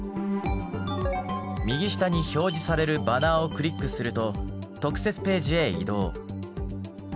右下に表示されるバナーをクリックすると特設ページへ移動。